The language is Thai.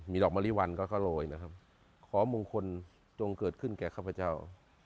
ดอกมะลิวันก็ก็โรยนะครับขอมงคลจงเกิดขึ้นแก่ข้าพเจ้า